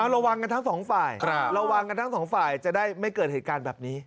ระวังกันทั้งสองฝ่ายจะได้ไม่เกิดเหตุการณ์แบบนี้